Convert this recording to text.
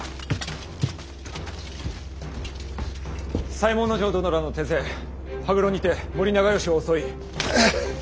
左衛門尉殿らの手勢羽黒にて森長可を襲い。